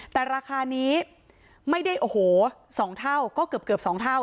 แต่ราคานี้ไม่ได้โอ้โห๒เท่าก็เกือบ๒เท่า